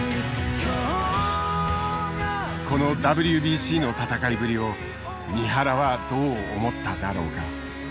このＷＢＣの戦いぶりを三原はどう思っただろうか。